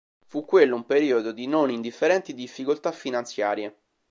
Fu quello un periodo di non indifferenti difficoltà finanziarie.